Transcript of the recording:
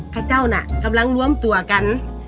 พระเจ้าน่ะกำลังรวมตัวกัน